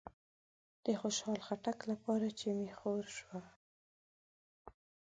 د خوشحال خټک لپاره چې می خور شو